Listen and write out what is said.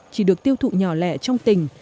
chỉ được tiêu thụ nhỏ lẻ trong tỉnh